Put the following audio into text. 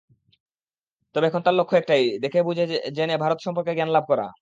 তবে এখন তাঁর লক্ষ্য একটাই—দেখে, বুঝে, জেনে ভারত সম্পর্কে জ্ঞান লাভ করা।